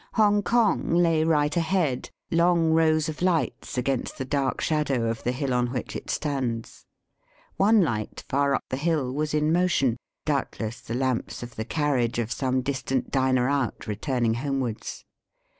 Hongkong lay right ahead, long rows of lights against the dark shadow of the hill on which it stands. One light, far up the hill, was in motion — doubtless the lamps of the carriage of some distant diner out returning homewards.